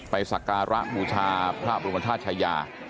ไปศักรห์ระมูทาร์พระบรมธาชายา